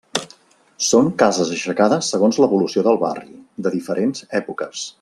Són cases aixecades segons l'evolució del barri, de diferents èpoques.